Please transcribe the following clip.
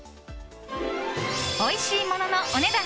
おいしいもののお値段